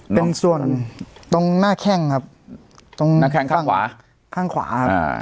เป็นส่วนตรงหน้าแข้งครับตรงหน้าแข้งข้างขวาข้างขวาครับอ่า